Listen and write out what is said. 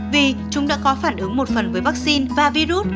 vì chúng đã có phản ứng một phần với vaccine và virus